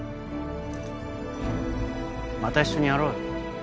また一緒にやろうよ。